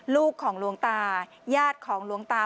ลูกของหลวงตาญาติของหลวงตา